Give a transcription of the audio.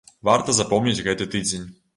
Варта запомніць гэты тыдзень.